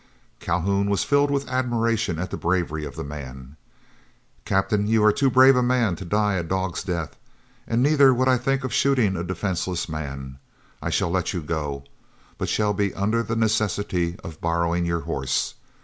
Calhoun was filled with admiration at the bravery of the man. "Captain, you are too brave a man to die a dog's death, neither would I think of shooting a defenceless man. I shall let you go, but shall be under the necessity of borrowing your horse.